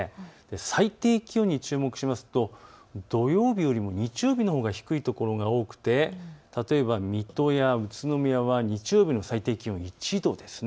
最低気温に注目しますと土曜日よりも日曜日のほうが低いところが多くて例えば水戸や宇都宮は日曜日の最低気温、１度です。